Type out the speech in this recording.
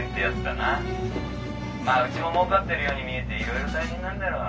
まあうちももうかってるように見えていろいろ大変なんだろ」。